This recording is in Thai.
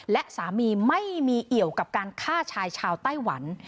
และสามีไม่มีเอี่ยวกับการฆ่าชายชาวไต้หวัน